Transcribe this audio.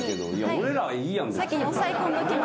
俺らはいいやん別に。